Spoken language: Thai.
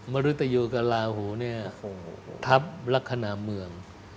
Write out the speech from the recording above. มรุตอยู่กับราหูทัพลักษณะเมือง